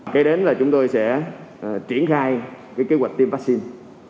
kế đến là chúng tôi sẽ triển khai kế hoạch tiêm vaccine